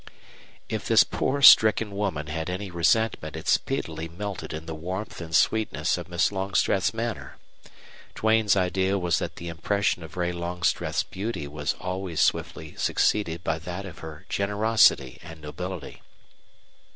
If this poor, stricken woman had any resentment it speedily melted in the warmth and sweetness of Miss Longstreth's manner. Duane's idea was that the impression of Ray Longstreth's beauty was always swiftly succeeded by that of her generosity and nobility.